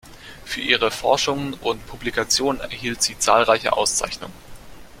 Für ihre Forschungen und Publikationen erhielt sie zahlreiche Auszeichnungen.